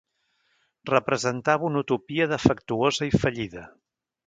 Representava una utopia defectuosa i fallida.